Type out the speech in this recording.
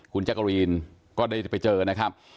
คุณจักรีนก็ได้ไปเจอนะครับ